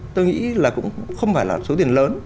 tôi nghĩ là cũng không phải là số tiền lớn